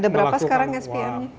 ada berapa sekarang spm